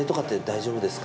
大丈夫です。